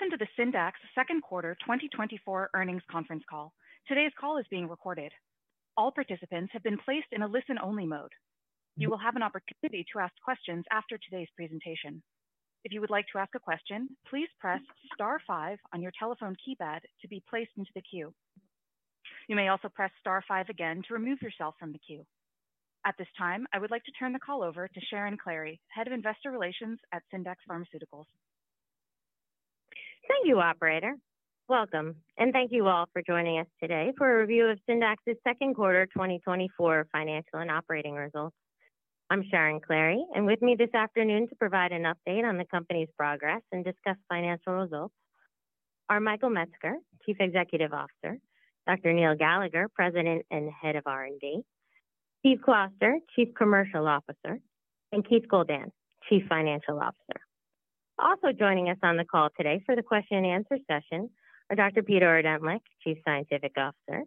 Welcome to the Syndax Second Quarter 2024 Earnings Conference Call. Today's call is being recorded. All participants have been placed in a listen-only mode. You will have an opportunity to ask questions after today's presentation. If you would like to ask a question, please press star five on your telephone keypad to be placed into the queue. You may also press star five again to remove yourself from the queue. At this time, I would like to turn the call over to Sharon Klahre, Head of Investor Relations at Syndax Pharmaceuticals. Thank you, operator. Welcome, and thank you all for joining us today for a review of Syndax's Second Quarter 2024 Financial and Operating Results. I'm Sharon Klahre, and with me this afternoon to provide an update on the company's progress and discuss financial results are Michael Metzger, Chief Executive Officer, Dr. Neil Gallagher, President and Head of R&D, Steve Closter, Chief Commercial Officer, and Keith Goldan, Chief Financial Officer. Also joining us on the call today for the question and answer session are Dr. Peter Ordentlich, Chief Scientific Officer,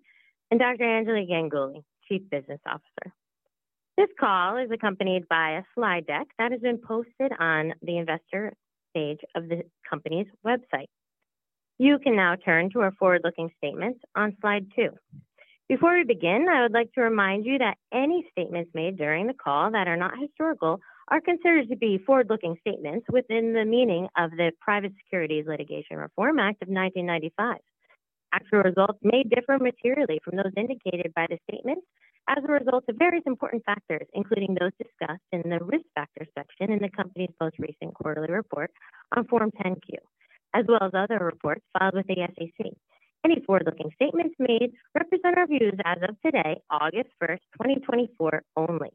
and Dr. Anjali Ganguli, Chief Business Officer. This call is accompanied by a slide deck that has been posted on the investor page of the company's website. You can now turn to our forward looking statements on slide two. Before we begin, I would like to remind you that any statements made during the call that are not historical are considered to be forward-looking statements within the meaning of the Private Securities Litigation Reform Act of 1995. Actual results may differ materially from those indicated by the statements as a result of various important factors, including those discussed in the Risk Factors section in the company's most recent quarterly report on Form 10-Q, as well as other reports filed with the SEC. Any forward-looking statements made represent our views as of today, August 1, 2024, only.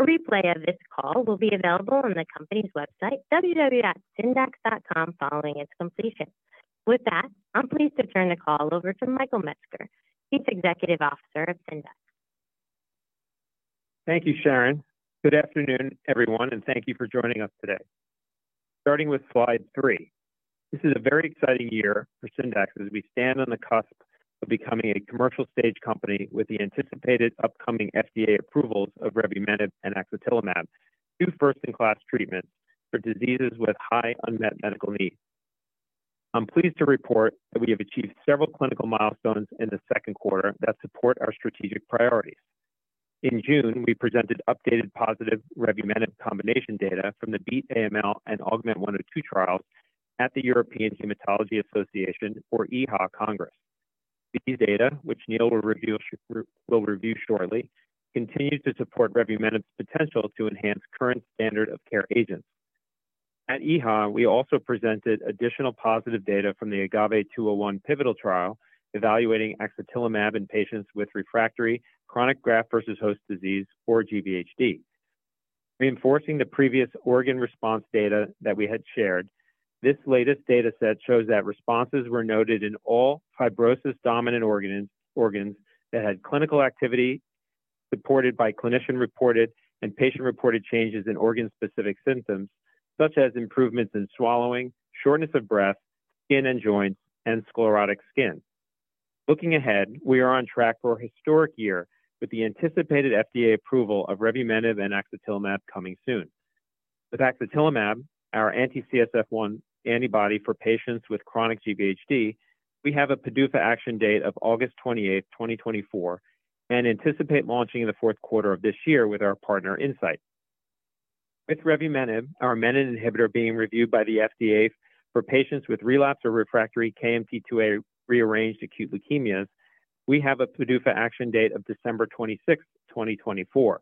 A replay of this call will be available on the company's website, www.syndax.com, following its completion. With that, I'm pleased to turn the call over to Michael Metzger, Chief Executive Officer of Syndax. Thank you, Sharon. Good afternoon, everyone, and thank you for joining us today. Starting with slide three. This is a very exciting year for Syndax as we stand on the cusp of becoming a commercial-stage company with the anticipated upcoming FDA approvals of revumenib and axatilimab, two first-in-class treatments for diseases with high unmet medical needs. I'm pleased to report that we have achieved several clinical milestones in the second quarter that support our strategic priorities. In June, we presented updated positive revumenib combination data from the BEAT AML and AUGMENT-102 trials at the European Hematology Association, or EHA Congress. These data, which Neil will review will review shortly, continues to support revumenib's potential to enhance current standard of care agents. At EHA, we also presented additional positive data from the AGAVE-201 pivotal trial evaluating axatilimab in patients with refractory chronic graft versus host disease, or GVHD. Reinforcing the previous organ response data that we had shared, this latest data set shows that responses were noted in all fibrosis-dominant organs, organs that had clinical activity supported by clinician-reported and patient-reported changes in organ-specific symptoms, such as improvements in swallowing, shortness of breath, skin and joints, and sclerotic skin. Looking ahead, we are on track for a historic year with the anticipated FDA approval of revumenib and axatilimab coming soon. With axatilimab, our anti-CSF1R antibody for patients with chronic GVHD, we have a PDUFA action date of August 28, 2024, and anticipate launching in the fourth quarter of this year with our partner, Incyte. With revumenib, our menin inhibitor being reviewed by the FDA for patients with relapse or refractory KMT2A-rearranged acute leukemias, we have a PDUFA action date of December 26th, 2024.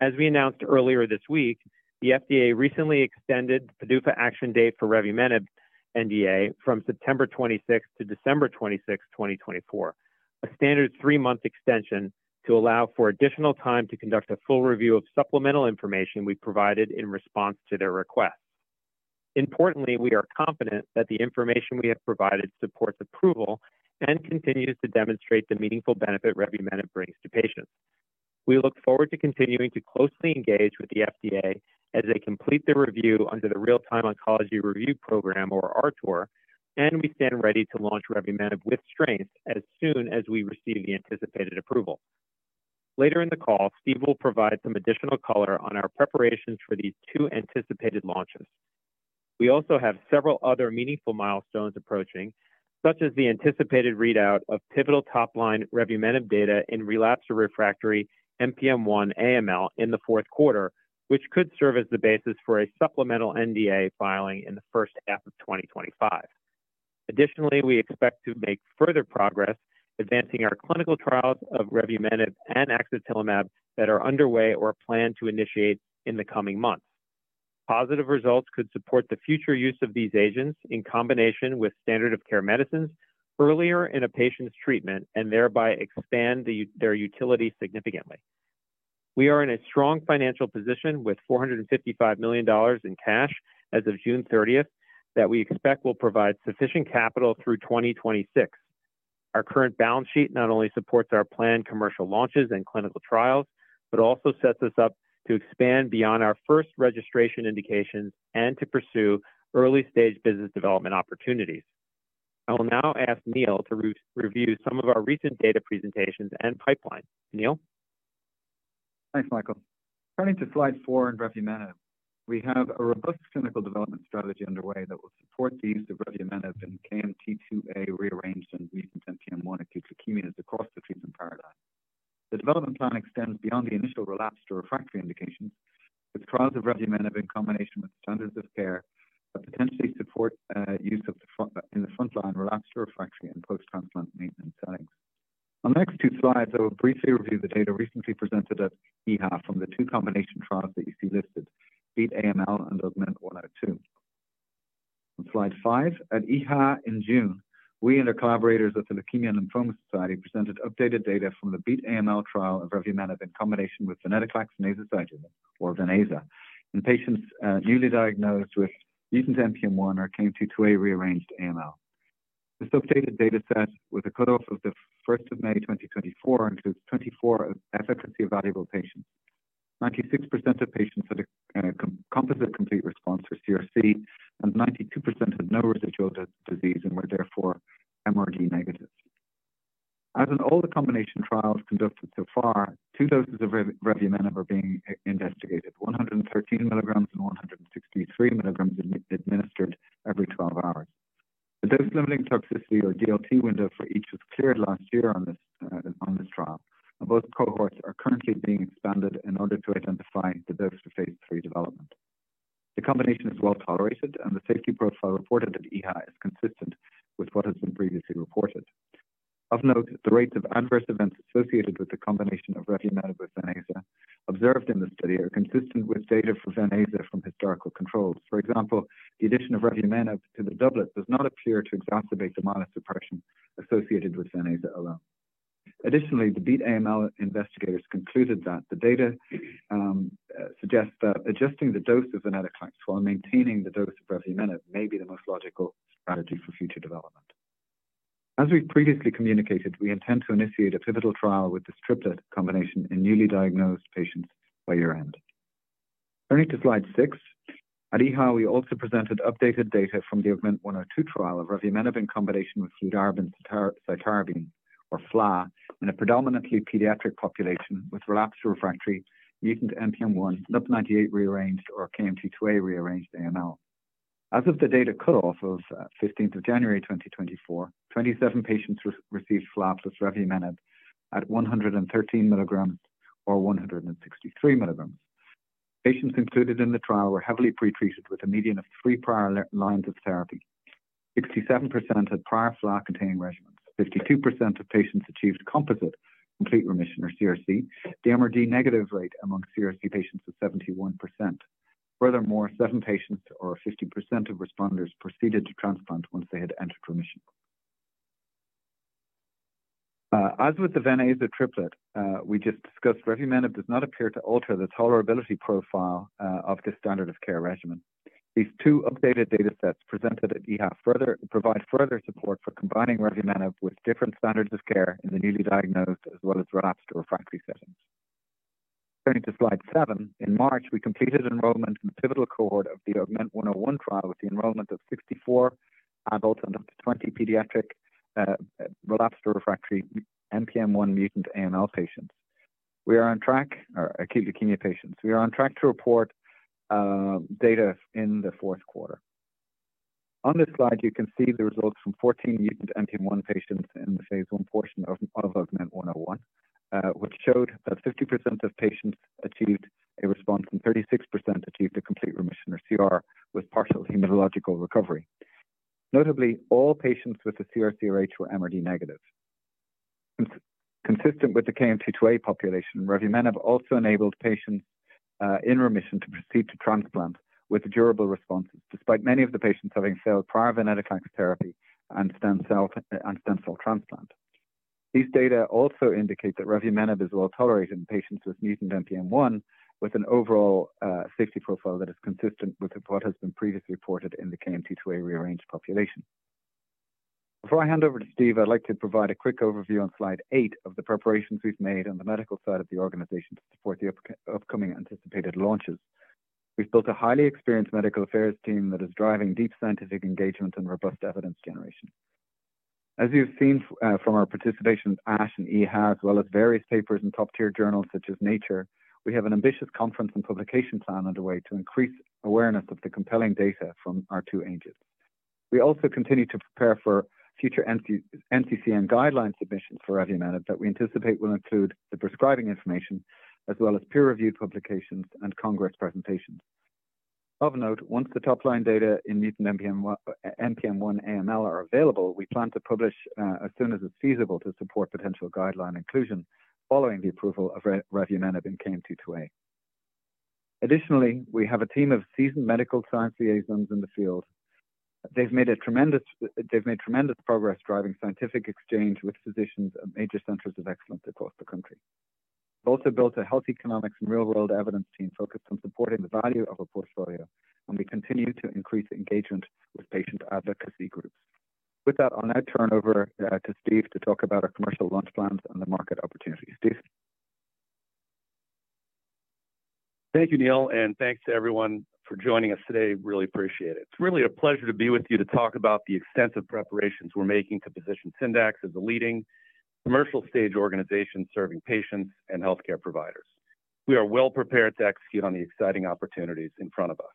As we announced earlier this week, the FDA recently extended the PDUFA action date for revumenib NDA from September 26th-December 26th, 2024, a standard three month extension to allow for additional time to conduct a full review of supplemental information we provided in response to their request. Importantly, we are confident that the information we have provided supports approval and continues to demonstrate the meaningful benefit revumenib brings to patients. We look forward to continuing to closely engage with the FDA as they complete their review under the Real-Time Oncology Review program, or RTOR, and we stand ready to launch revumenib with strength as soon as we receive the anticipated approval. Later in the call, Steve will provide some additional color on our preparations for these two anticipated launches. We also have several other meaningful milestones approaching, such as the anticipated readout of pivotal top-line revumenib data in relapsed or refractory NPM1 AML in the fourth quarter, which could serve as the basis for a supplemental NDA filing in the first half of 2025. Additionally, we expect to make further progress advancing our clinical trials of revumenib and axatilimab that are underway or planned to initiate in the coming months. Positive results could support the future use of these agents in combination with standard of care medicines earlier in a patient's treatment and thereby expand their utility significantly. We are in a strong financial position with $455 million in cash as of June 30, that we expect will provide sufficient capital through 2026. Our current balance sheet not only supports our planned commercial launches and clinical trials, but also sets us up to expand beyond our first registration indications and to pursue early-stage business development opportunities. I will now ask Neil to re-review some of our recent data presentations and pipeline. Neil? Thanks, Michael. Turning to slide three on revumenib. We have a robust clinical development strategy underway that will support the use of revumenib in KMT2A rearranged and mutant NPM1 acute leukemias across the treatment paradigm. The development plan extends beyond the initial relapsed or refractory indications, with trials of revumenib in combination with standards of care, but potentially support use of the front, in the frontline, relapsed, refractory, and post-transplant maintenance settings. On the next two slides, I will briefly review the data recently presented at EHA from the two combination trials that you see listed, BEAT-AML and AUGMENT-102. On slide five, at EHA in June, we and our collaborators at the Leukemia and Lymphoma Society presented updated data from the BEAT-AML trial of revumenib in combination with venetoclax and azacitidine, or ven/aza, in patients newly diagnosed with mutant NPM1 or KMT2A rearranged AML. This updated data set, with a cutoff of the first of May 2024, includes 24 efficacy evaluable patients. 96% of patients had a composite complete response or CRC, and 92% had no residual disease and were therefore MRD negative. As in all the combination trials conducted so far, two doses of revumenib are being investigated, 113 mg and 163 mg, administered every 12 hours. The dose limiting toxicity, or DLT window, for each was cleared last year on this trial. Both cohorts are currently being expanded in order to identify the dose for phase lll development. The combination is well tolerated, and the safety profile reported at EHA is consistent with what has been previously reported. Of note, the rates of adverse events associated with the combination of revumenib with ven/aza observed in the study are consistent with data for ven/aza from historical controls. For example, the addition of revumenib to the doublet does not appear to exacerbate the monocyte suppression associated with ven/aza alone. Additionally, the BEAT-AML investigators concluded that the data suggests that adjusting the dose of venetoclax while maintaining the dose of revumenib may be the most logical strategy for future development. As we've previously communicated, we intend to initiate a pivotal trial with this triplet combination in newly diagnosed patients by year-end. Turning to slide six. At EHA, we also presented updated data from the AUGMENT-102 trial of revumenib in combination with fludarabine, cytarabine, or FLA, in a predominantly pediatric population with relapsed or refractory mutant NPM1, NUP98-rearranged, or KMT2A-rearranged AML. As of the data cutoff of 15th of January 2024, 27 patients received FLA plus revumenib at 113 mg or 163 mg. Patients included in the trial were heavily pretreated with a median of three prior lines of therapy. 67% had prior FLA-containing regimens. 52% of patients achieved composite complete remission, or CRC. The MRD negative rate among CRC patients was 71%. Furthermore, seven patients, or 50% of responders, proceeded to transplant once they had entered remission. As with the ven/aza triplet we just discussed, revumenib does not appear to alter the tolerability profile of this standard of care regimen. These two updated data sets presented at EHA further provide further support for combining revumenib with different standards of care in the newly diagnosed, as well as relapsed or refractory settings. Turning to slide seven. In March, we completed enrollment in the pivotal cohort of the AUGMENT-101 trial with the enrollment of 64 adults and up to 20 pediatric relapsed or refractory NPM1-mutant AML patients or acute leukemia patients. We are on track to report data in the fourth quarter. On this slide, you can see the results from 14 mutant NPM1 patients in the phase l portion of AUGMENT-101, which showed that 50% of patients achieved a response, and 36% achieved a complete remission, or CR, with partial hematological recovery. Notably, all patients with a CRC rate were MRD negative. Consistent with the KMT2A population, revumenib also enabled patients in remission to proceed to transplant with durable responses, despite many of the patients having failed prior venetoclax therapy and stem cell transplant. These data also indicate that revumenib is well tolerated in patients with mutant NPM1, with an overall safety profile that is consistent with what has been previously reported in the KMT2A rearranged population. Before I hand over to Steve, I'd like to provide a quick overview on slide eight of the preparations we've made on the medical side of the organization to support the upcoming anticipated launches. We've built a highly experienced medical affairs team that is driving deep scientific engagement and robust evidence generation. As you've seen from our participation at ASH and EHA, as well as various papers in top tier journals such as Nature, we have an ambitious conference and publication plan underway to increase awareness of the compelling data from our two agents. We also continue to prepare for future NCCN guideline submissions for revumenib that we anticipate will include the prescribing information, as well as peer-reviewed publications and congress presentations. Of note, once the top-line data in mutant NPM1, NPM1 AML are available, we plan to publish as soon as it's feasible to support potential guideline inclusion following the approval of revumenib in KMT2A. Additionally, we have a team of seasoned medical science liaisons in the field. They've made tremendous progress driving scientific exchange with physicians at major centers of excellence across the country. We've also built a health economics and real-world evidence team focused on supporting the value of our portfolio, and we continue to increase engagement with patient advocacy groups. With that, I'll now turn it over to Steve to talk about our commercial launch plans and the market opportunities. Steve? Thank you, Neil, and thanks to everyone for joining us today. Really appreciate it. It's really a pleasure to be with you to talk about the extensive preparations we're making to position Syndax as a leading commercial-stage organization serving patients and healthcare providers. We are well prepared to execute on the exciting opportunities in front of us.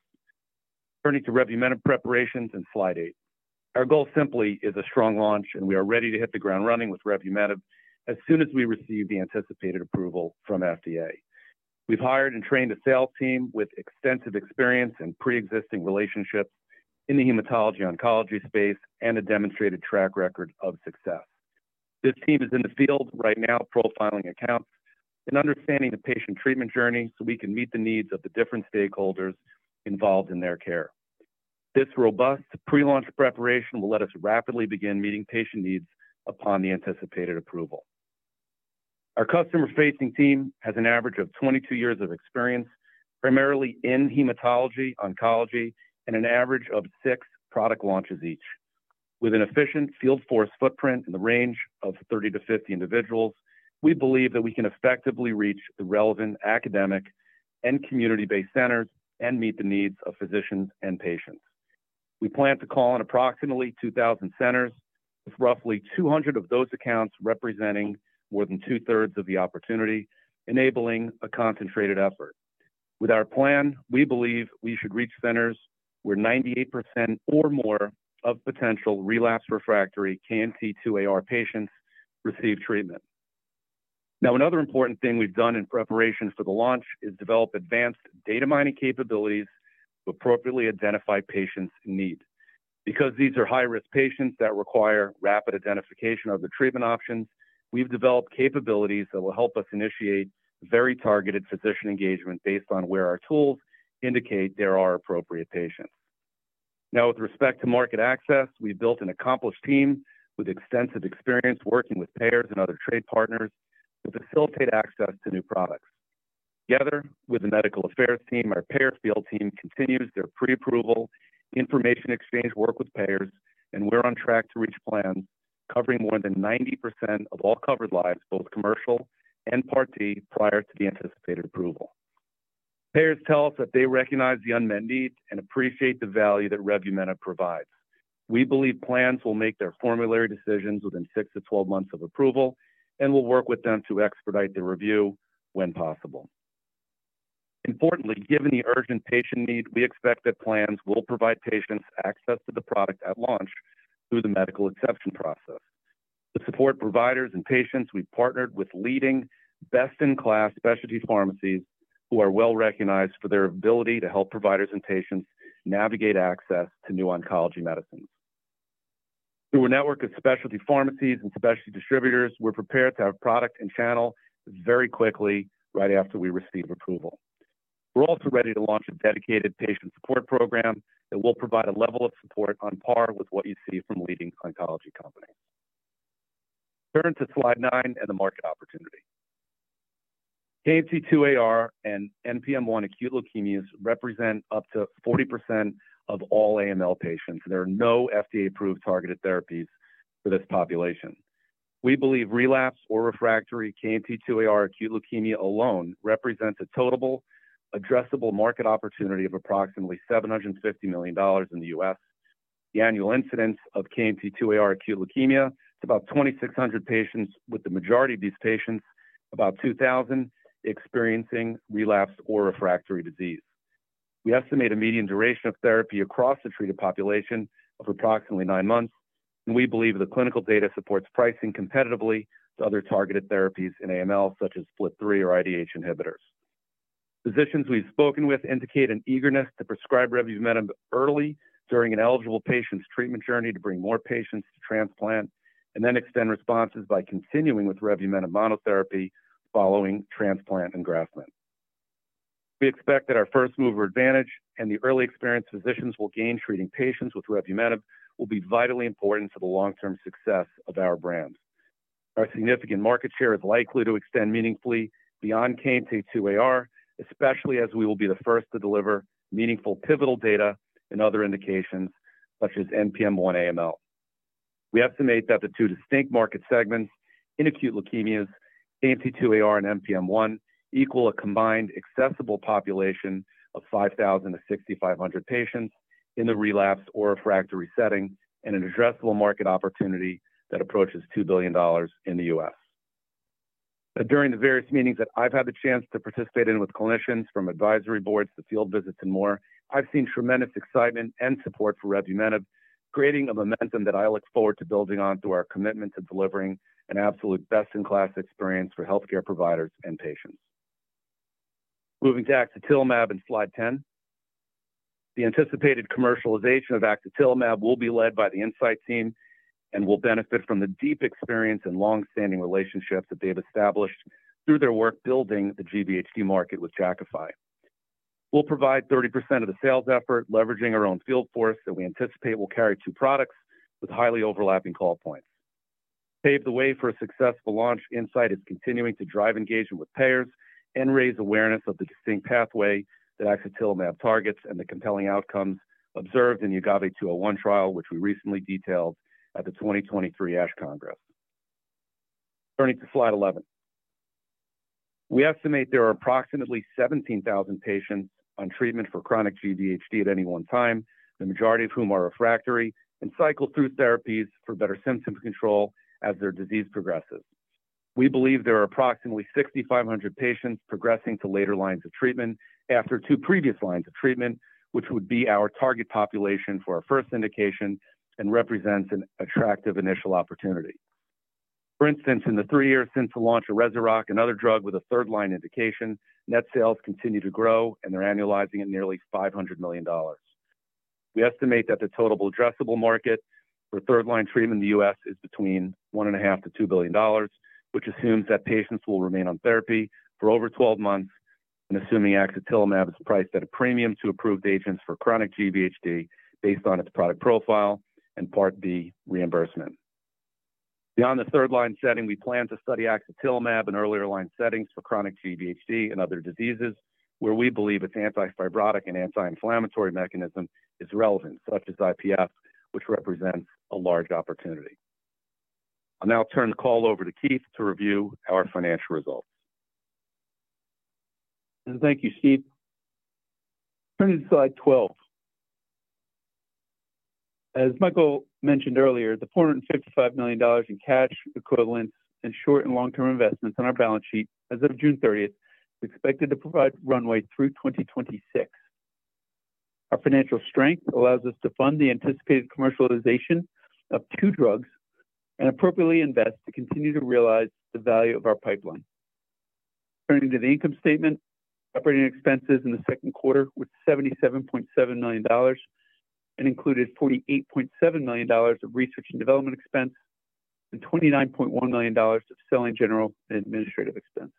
Turning to revumenib preparations in slide eight. Our goal simply is a strong launch, and we are ready to hit the ground running with revumenib as soon as we receive the anticipated approval from FDA. We've hired and trained a sales team with extensive experience and pre-existing relationships in the hematology/oncology space and a demonstrated track record of success. This team is in the field right now, profiling accounts and understanding the patient treatment journey so we can meet the needs of the different stakeholders involved in their care. This robust pre-launch preparation will let us rapidly begin meeting patient needs upon the anticipated approval. Our customer-facing team has an average of 22 years of experience, primarily in hematology, oncology, and an average of six product launches each. With an efficient field force footprint in the range of 30-50 individuals, we believe that we can effectively reach the relevant academic and community-based centers and meet the needs of physicians and patients. We plan to call on approximately 2,000 centers, with roughly 200 of those accounts representing more than two-thirds of the opportunity, enabling a concentrated effort. With our plan, we believe we should reach centers where 98% or more of potential relapse refractory KMT2Ar patients receive treatment. Now, another important thing we've done in preparation for the launch is develop advanced data mining capabilities to appropriately identify patients in need. Because these are high-risk patients that require rapid identification of the treatment options, we've developed capabilities that will help us initiate very targeted physician engagement based on where our tools indicate there are appropriate patients. Now, with respect to market access, we've built an accomplished team with extensive experience working with payers and other trade partners to facilitate access to new products. Together with the medical affairs team, our payer field team continues their pre-approval, information exchange work with payers, and we're on track to reach plans covering more than 90% of all covered lives, both commercial and Part D, prior to the anticipated approval. Payers tell us that they recognize the unmet needs and appreciate the value that revumenib provides. We believe plans will make their formulary decisions within 6-12 months of approval, and we'll work with them to expedite the review when possible. Importantly, given the urgent patient need, we expect that plans will provide patients access to the product at launch through the medical exception process. To support providers and patients, we've partnered with leading best-in-class specialty pharmacies who are well recognized for their ability to help providers and patients navigate access to new oncology medicines. Through a network of specialty pharmacies and specialty distributors, we're prepared to have product and channel very quickly, right after we receive approval. We're also ready to launch a dedicated patient support program that will provide a level of support on par with what you see from leading oncology companies. Turn to slide nine and the market opportunity. KMT2Ar and NPM1 acute leukemias represent up to 40% of all AML patients. There are no FDA approved targeted therapies for this population. We believe relapsed or refractory KMT2Ar acute leukemia alone represents a total addressable market opportunity of approximately $750 million in the U.S. The annual incidence of KMT2Ar acute leukemia is about 2,600 patients, with the majority of these patients, about 2,000, experiencing relapsed or refractory disease. We estimate a median duration of therapy across the treated population of approximately nine months, and we believe the clinical data supports pricing competitively to other targeted therapies in AML, such as FLT3 or IDH inhibitors. Physicians we've spoken with indicate an eagerness to prescribe revumenib early during an eligible patient's treatment journey to bring more patients to transplant, and then extend responses by continuing with revumenib monotherapy following transplant and engraftment. We expect that our first-mover advantage and the early experience physicians will gain treating patients with revumenib will be vitally important to the long-term success of our brands. Our significant market share is likely to extend meaningfully beyond KMT2Ar, especially as we will be the first to deliver meaningful pivotal data in other indications, such as NPM1 AML. We estimate that the two distinct market segments in acute leukemias, KMT2Ar and NPM1, equal a combined accessible population of 5,000-6,500 patients in the relapsed or refractory setting, and an addressable market opportunity that approaches $2 billion in the U.S. During the various meetings that I've had the chance to participate in with clinicians from advisory boards to field visits and more, I've seen tremendous excitement and support for revumenib, creating a momentum that I look forward to building on through our commitment to delivering an absolute best-in-class experience for healthcare providers and patients. Moving to axatilimab in slide 10. The anticipated commercialization of axatilimab will be led by the Incyte team and will benefit from the deep experience and long-standing relationships that they've established through their work building the cGVHD market with Jakafi. We'll provide 30% of the sales effort, leveraging our own field force that we anticipate will carry two products with highly overlapping call points. To pave the way for a successful launch, Incyte is continuing to drive engagement with payers and raise awareness of the distinct pathway that axatilimab targets and the compelling outcomes observed in the GVHD-201 trial, which we recently detailed at the 2023 ASH Congress. Turning to slide 11. We estimate there are approximately 17,000 patients on treatment for chronic GVHD at any one time, the majority of whom are refractory and cycle through therapies for better symptom control as their disease progresses. We believe there are approximately 6,500 patients progressing to later lines of treatment after two previous lines of treatment, which would be our target population for our first indication and represents an attractive initial opportunity. For instance, in the three years since the launch of Rezurock, another drug with a third-line indication, net sales continue to grow, and they're annualizing at nearly $500 million. We estimate that the total addressable market for third-line treatment in the U.S. is between $1.5 billion-$2 billion, which assumes that patients will remain on therapy for over 12 months, and assuming axatilimab is priced at a premium to approved agents for chronic GVHD based on its product profile and Part B reimbursement. Beyond the third-line setting, we plan to study axatilimab in earlier line settings for chronic GVHD and other diseases where we believe its anti-fibrotic and anti-inflammatory mechanism is relevant, such as IPF, which represents a large opportunity. I'll now turn the call over to Keith to review our financial results. Thank you, Steve. Turning to slide 12. As Michael mentioned earlier, the $455 million in cash equivalents and short- and long-term investments on our balance sheet as of June 30 is expected to provide runway through 2026. Our financial strength allows us to fund the anticipated commercialization of two drugs and appropriately invest to continue to realize the value of our pipeline. Turning to the income statement, operating expenses in the second quarter was $77.7 million and included $48.7 million of research and development expense and $29.1 million of selling, general, and administrative expense.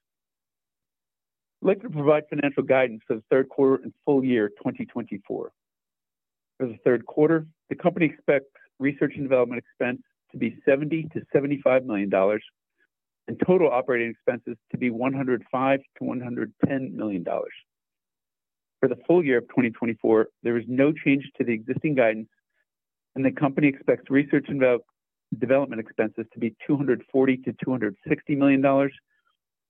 I'd like to provide financial guidance for the third quarter and full year 2024. For the third quarter, the company expects research and development expense to be $70 million-$75 million and total operating expenses to be $105 million-$110 million. For the full year of 2024, there is no change to the existing guidance, and the company expects research and development expenses to be $240 million-$260 million,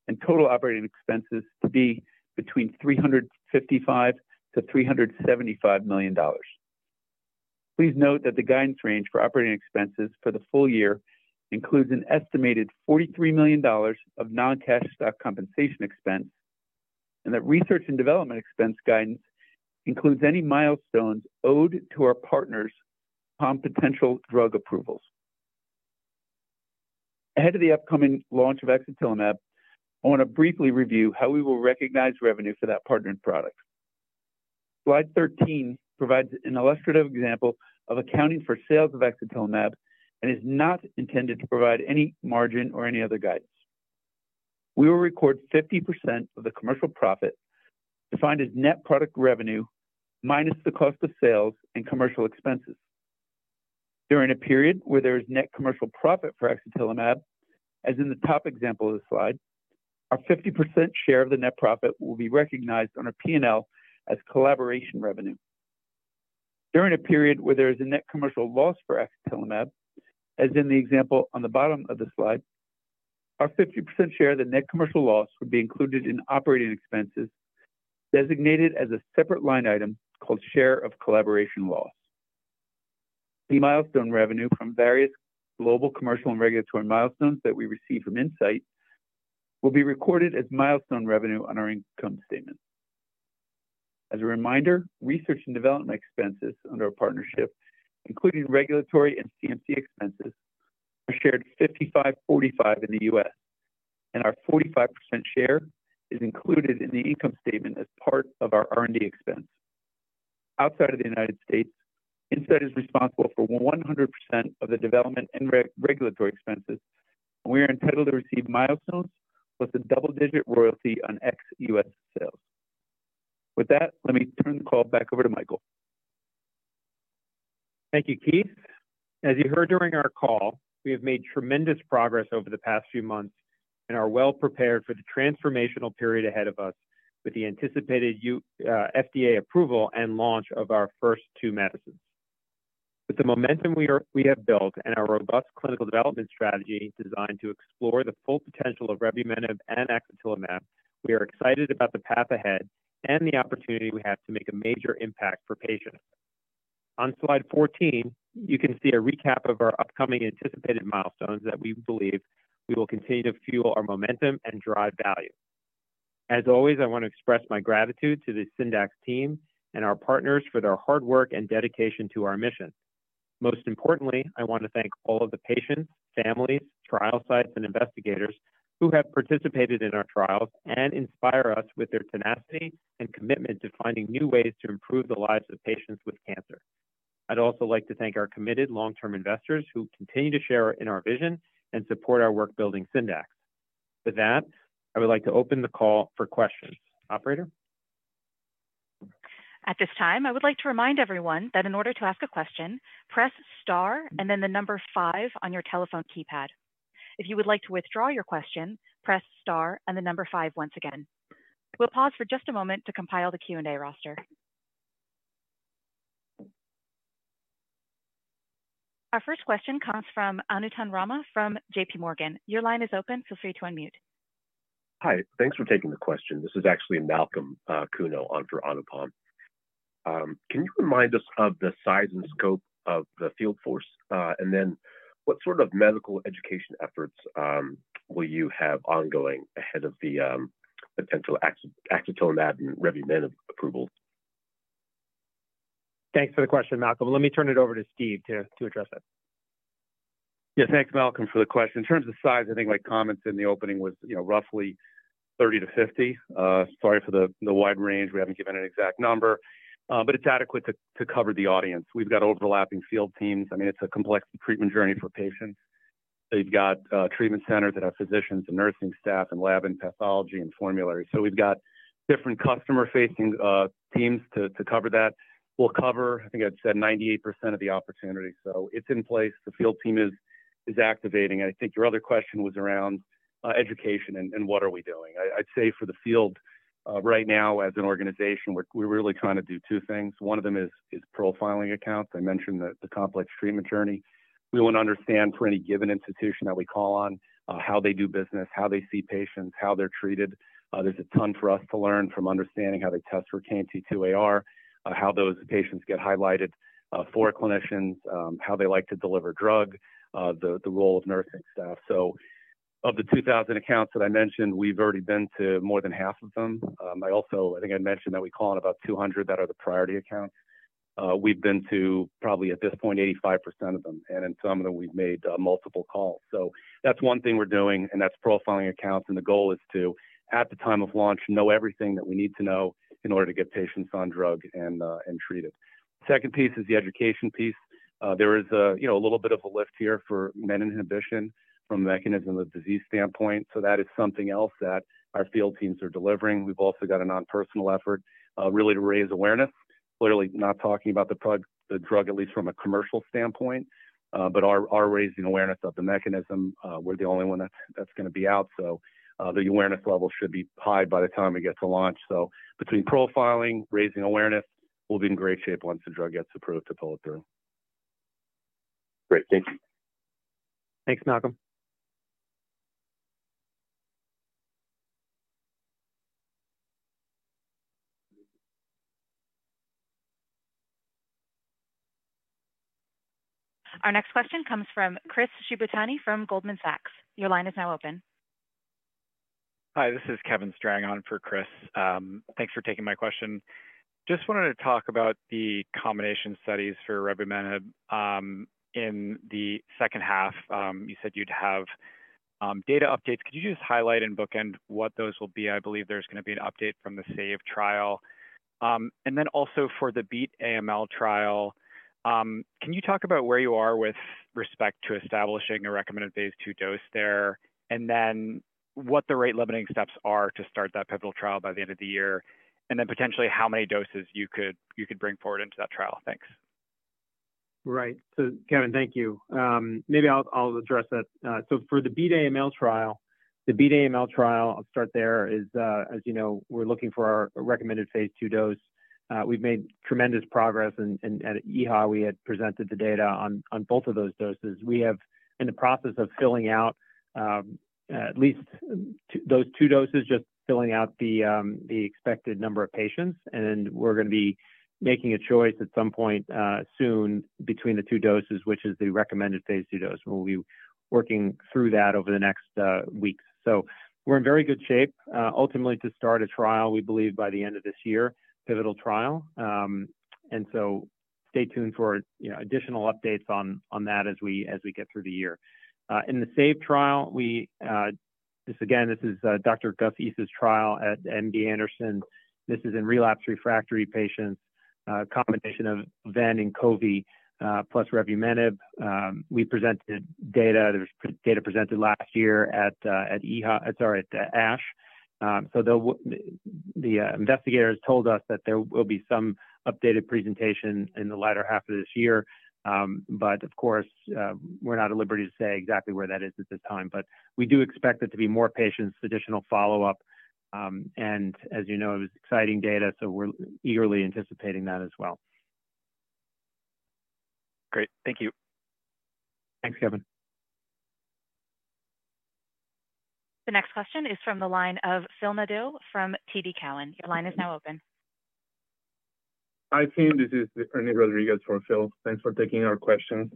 and total operating expenses to be between $355 million-$375 million. Please note that the guidance range for operating expenses for the full year includes an estimated $43 million of non-cash stock compensation expense, and that research and development expense guidance includes any milestones owed to our partners upon potential drug approvals. Ahead of the upcoming launch of axatilimab, I want to briefly review how we will recognize revenue for that partnered product. Slide 13 provides an illustrative example of accounting for sales of axatilimab and is not intended to provide any margin or any other guidance. We will record 50% of the commercial profit, defined as net product revenue minus the cost of sales and commercial expenses. During a period where there is net commercial profit for axatilimab, as in the top example of the slide, our 50% share of the net profit will be recognized on our P&L as collaboration revenue. During a period where there is a net commercial loss for axatilimab, as in the example on the bottom of the slide, our 50% share of the net commercial loss would be included in operating expenses, designated as a separate line item called share of collaboration loss. The milestone revenue from various global commercial and regulatory milestones that we receive from Incyte will be recorded as milestone revenue on our income statement. As a reminder, research and development expenses under our partnership, including regulatory and CMC expenses, are shared 55-45 in the U.S, and our 45% share is included in the income statement as part of our R&D expense. Outside of the United States, Incyte is responsible for 100% of the development and regulatory expenses, and we are entitled to receive milestones plus a double-digit royalty on ex-U.S. sales. With that, let me turn the call back over to Michael. Thank you, Keith. As you heard during our call, we have made tremendous progress over the past few months and are well prepared for the transformational period ahead of us with the anticipated FDA approval and launch of our first two medicines. With the momentum we have built and our robust clinical development strategy designed to explore the full potential of revumenib and axatilimab, we are excited about the path ahead and the opportunity we have to make a major impact for patients. On slide 14, you can see a recap of our upcoming anticipated milestones that we believe we will continue to fuel our momentum and drive value. As always, I want to express my gratitude to the Syndax team and our partners for their hard work and dedication to our mission. Most importantly, I want to thank all of the patients, families, trial sites, and investigators who have participated in our trials and inspire us with their tenacity and commitment to finding new ways to improve the lives of patients with cancer. I'd also like to thank our committed long-term investors, who continue to share in our vision and support our work building Syndax. With that, I would like to open the call for questions. Operator? At this time, I would like to remind everyone that in order to ask a question, press star and then the number five on your telephone keypad. If you would like to withdraw your question, press star and the number five once again. We'll pause for just a moment to compile the Q&A roster.... Our first question comes from Anupam Rama from J.P. Morgan. Your line is open. Feel free to unmute. Hi. Thanks for taking the question. This is actually Malcolm Kuno on for Anupam. Can you remind us of the size and scope of the field force? And then what sort of medical education efforts will you have ongoing ahead of the potential axatilimab and revumenib approval? Thanks for the question, Malcolm. Let me turn it over to Steve to address that. Yeah. Thanks, Malcolm, for the question. In terms of size, I think my comments in the opening was, you know, roughly 30-50. Sorry for the wide range. We haven't given an exact number, but it's adequate to cover the audience. We've got overlapping field teams. I mean, it's a complex treatment journey for patients. They've got treatment centers that have physicians and nursing staff and lab and pathology and formulary. So we've got different customer-facing teams to cover that. We'll cover, I think I'd said 98% of the opportunities, so it's in place. The field team is activating. I think your other question was around education and what are we doing? I'd say for the field, right now, as an organization, we're really trying to do two things. One of them is profiling accounts. I mentioned the complex treatment journey. We want to understand, for any given institution that we call on, how they do business, how they see patients, how they're treated. There's a ton for us to learn from understanding how they test for KMT2Ar, how those patients get highlighted for clinicians, how they like to deliver drug, the role of nursing staff. So of the 2,000 accounts that I mentioned, we've already been to more than half of them. I also, I think I mentioned that we call on about 200 that are the priority accounts. We've been to probably, at this point, 85% of them, and in some of them, we've made multiple calls. So that's one thing we're doing, and that's profiling accounts, and the goal is to, at the time of launch, know everything that we need to know in order to get patients on drug and treated. Second piece is the education piece. There is a, you know, a little bit of a lift here for menin inhibition from a mechanism of disease standpoint, so that is something else that our field teams are delivering. We've also got a non-personal effort, really, to raise awareness. Literally not talking about the drug, at least from a commercial standpoint, but are raising awareness of the mechanism. We're the only one that's gonna be out, so, the awareness level should be high by the time it gets to launch. Between profiling, raising awareness, we'll be in great shape once the drug gets approved to pull it through. Great. Thank you. Thanks, Malcolm. Our next question comes from Chris Shibutani from Goldman Sachs. Your line is now open. Hi, this is Kevin Strang on for Chris. Thanks for taking my question. Just wanted to talk about the combination studies for revumenib. In the second half, you said you'd have data updates. Could you just highlight and bookend what those will be? I believe there's gonna be an update from the SAVE trial. And then also for the BEAT AML trial, can you talk about where you are with respect to establishing a recommended phase two dose there, and then what the rate-limiting steps are to start that pivotal trial by the end of the year, and then potentially how many doses you could bring forward into that trial? Thanks. Right. So, Kevin, thank you. Maybe I'll address that. So for the BEAT AML trial, the BEAT AML trial, I'll start there, is as you know, we're looking for our recommended phase ll dose. We've made tremendous progress, and at EHA, we had presented the data on both of those doses. We have in the process of filling out at least two... those two doses, just filling out the expected number of patients, and we're gonna be making a choice at some point soon, between the two doses, which is the recommended phase ll dose. We'll be working through that over the next weeks. So we're in very good shape ultimately to start a trial, we believe by the end of this year, pivotal trial. And so stay tuned for, you know, additional updates on that as we get through the year. In the SAVE trial, this again, this is Dr. Ghayas Issa's trial at MD Anderson. This is in relapsed refractory patients, combination of ven and aza plus revumenib. We presented data, there was data presented last year at EHA, sorry, at ASH. So the investigators told us that there will be some updated presentation in the latter half of this year. But of course, we're not at liberty to say exactly where that is at this time. But we do expect there to be more patients, additional follow-up, and as you know, it was exciting data, so we're eagerly anticipating that as well. Great. Thank you. Thanks, Kevin. The next question is from the line of Phil Nadeau from TD Cowen. Your line is now open. Hi, team. This is Ernie Rodriguez for Phil. Thanks for taking our question.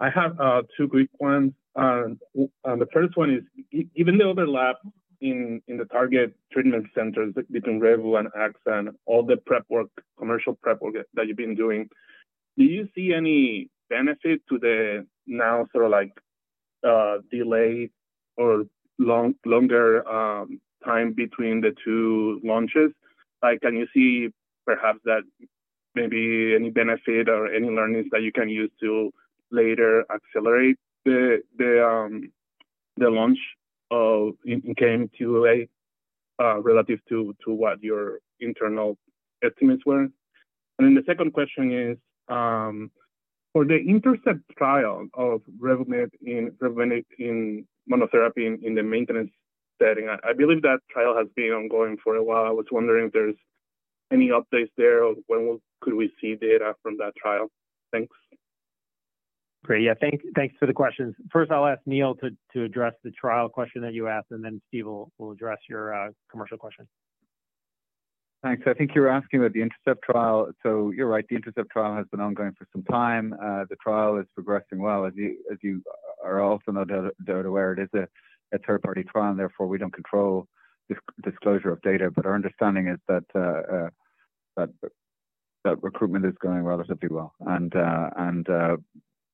I have two quick ones. And the first one is, given the overlap in the target treatment centers between Revu and axa, all the prep work, commercial prep work that you've been doing, do you see any benefit to the now sort of like delay or longer time between the two launches? Like, can you see perhaps that maybe any benefit or any learnings that you can use to later accelerate the launch of in KMT2A relative to what your internal estimates were? And then the second question is, for the INTERCEPT trial of revumenib in-revumenib in monotherapy in the maintenance setting, I believe that trial has been ongoing for a while. I was wondering if there's any updates there on when will could we see data from that trial? Thanks. Great. Yeah, thanks for the questions. First, I'll ask Neil to address the trial question that you asked, and then Steve will address your commercial question. Thanks. I think you're asking about the Intercept trial. So you're right, the Intercept trial has been ongoing for some time. The trial is progressing well. As you are also no doubt aware, it is a third-party trial, therefore, we don't control disclosure of data. But our understanding is that recruitment is going relatively well, and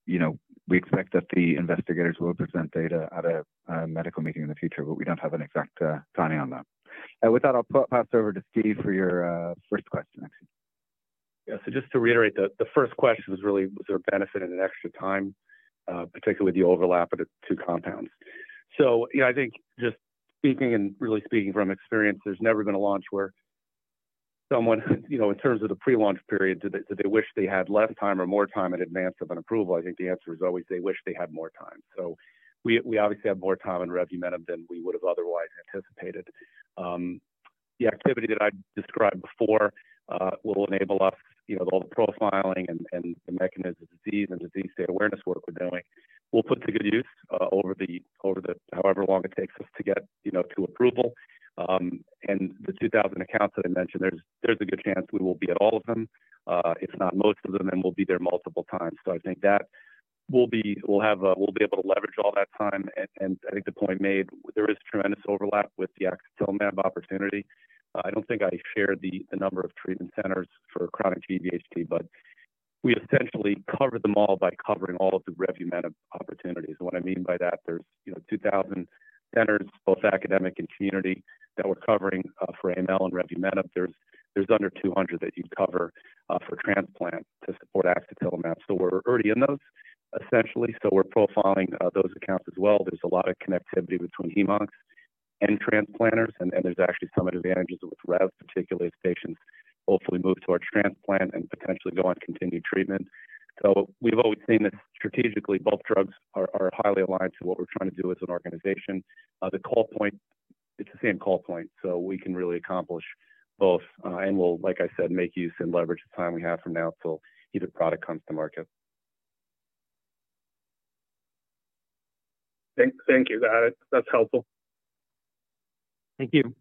you know, we expect that the investigators will present data at a medical meeting in the future, but we don't have an exact timing on that. With that, I'll pass it over to Steve for your first question next. Yeah. So just to reiterate, the first question was really, was there a benefit in extra time, particularly with the overlap of the two compounds? So, yeah, I think just speaking and really speaking from experience, there's never been a launch where someone, you know, in terms of the pre-launch period, do they wish they had less time or more time in advance of an approval? I think the answer is always they wish they had more time. So we obviously have more time in revumenib than we would've otherwise anticipated. The activity that I described before will enable us, you know, all the profiling and the mechanism of disease and disease state awareness work we're doing. We'll put to good use over the however long it takes us to get, you know, to approval. And the 2,000 accounts that I mentioned, there's a good chance we will be at all of them, if not most of them, and we'll be there multiple times. So I think that we'll be able to leverage all that time. And I think the point made, there is tremendous overlap with the axatilimab opportunity. I don't think I shared the number of treatment centers for chronic GVHD, but we essentially covered them all by covering all of the revumenib opportunities. And what I mean by that, there's, you know, 2,000 centers, both academic and community, that we're covering, for AML and revumenib. There's under 200 that you'd cover, for transplant to support axatilimab. So we're already in those, essentially, so we're profiling those accounts as well. There's a lot of connectivity between hemoncs and transplanters, and there's actually some advantages with Rev, particularly as patients hopefully move to our transplant and potentially go on continued treatment. So we've always seen that strategically, both drugs are highly aligned to what we're trying to do as an organization. The call point, it's the same call point, so we can really accomplish both. And we'll, like I said, make use and leverage the time we have from now till either product comes to market. Thank you. That's helpful. Thank you.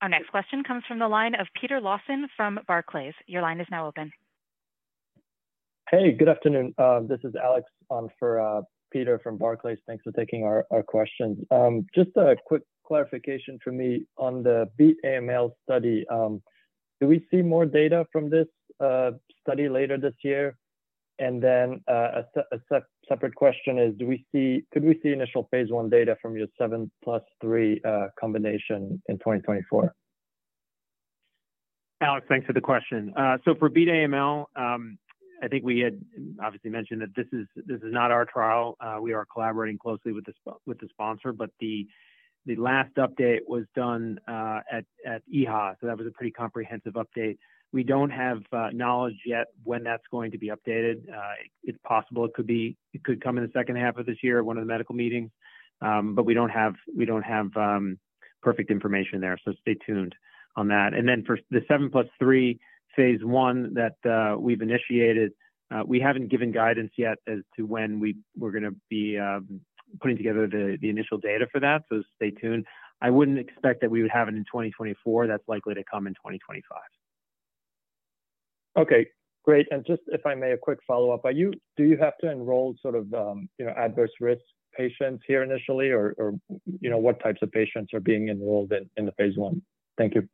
Our next question comes from the line of Peter Lawson from Barclays. Your line is now open. Hey, good afternoon. This is Alex on for Peter from Barclays. Thanks for taking our questions. Just a quick clarification for me on the BEAT AML study. Do we see more data from this study later this year? And then, a separate question is, could we see initial phase I data from your 7+3 combination in 2024? Alex, thanks for the question. So for BEAT AML, I think we had obviously mentioned that this is, this is not our trial. We are collaborating closely with the sponsor, but the, the last update was done at EHA, so that was a pretty comprehensive update. We don't have knowledge yet when that's going to be updated. It's possible it could be, it could come in the second half of this year at one of the medical meetings, but we don't have, we don't have perfect information there, so stay tuned on that. And then for the 7+3 phase I that we've initiated, we haven't given guidance yet as to when we're gonna be putting together the, the initial data for that, so stay tuned. I wouldn't expect that we would have it in 2024. That's likely to come in 2025. Okay, great. And just, if I may, a quick follow-up. Are you, do you have to enroll sort of, you know, adverse risk patients here initially, or, or, you know, what types of patients are being enrolled in the phase I? Thank you.